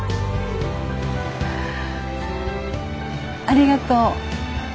ありがとう。